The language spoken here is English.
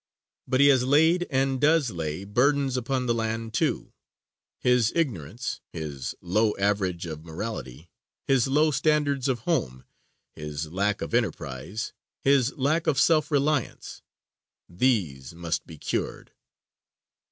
But he has laid, and does lay, burdens upon the land, too: his ignorance, his low average of morality, his low standards of home, his lack of enterprise, his lack of self reliance these must be cured.